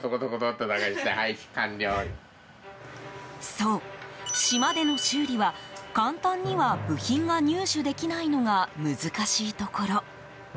そう、島での修理は簡単には部品が入手できないのが難しいところ。